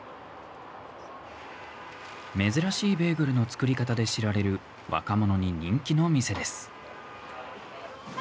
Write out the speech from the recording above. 珍しいベーグルの作り方で知られる、若者に人気の店です。